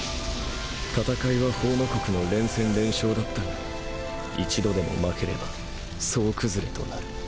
戦いはホウマ国の連戦連勝だったが一度でも負ければ総崩れとなる。